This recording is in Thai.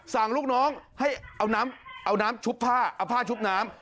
ลูกน้องให้เอาน้ำชุบผ้าเอาผ้าชุบน้ำ